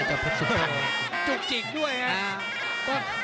โอ้โห